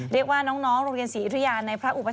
เรียกว่าน้องโรงเรียนศรียุธยาในพระอุป